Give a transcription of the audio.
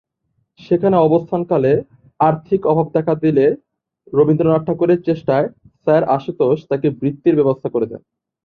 সেখানে অবস্থানকালে আর্থিক অভাব দেখা দিলে রবীন্দ্রনাথ ঠাকুরের চেষ্টায় স্যার আশুতোষ তাঁকে বৃত্তির ব্যবস্থা করে দেন।